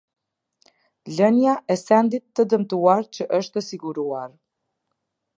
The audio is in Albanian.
Lënia e sendit të dëmtuar që është siguruar.